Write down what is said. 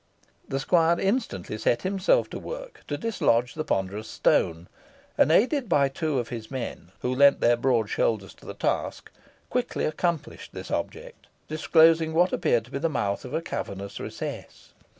The squire instantly set himself to work to dislodge the ponderous stone, and, aided by two of his men, who lent their broad shoulders to the task, quickly accomplished his object, disclosing what appeared to be the mouth of a cavernous recess.